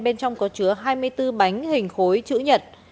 bên trong có chứa hai mươi bốn bánh hình khối chữ nhật